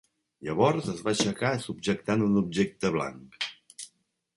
Llavors es va aixecar subjectant un objecte blanc.